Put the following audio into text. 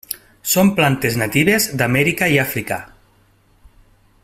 Són plantes natives d'Amèrica i Àfrica.